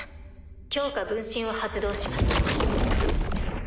強化分身を発動します。